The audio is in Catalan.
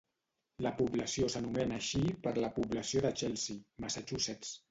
La població s'anomena així per la població de Chelsea, Massachusetts.